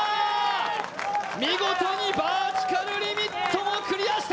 見事にバーティカルリミットもクリアした！